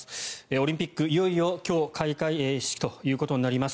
オリンピック、いよいよ今日開会式ということになります。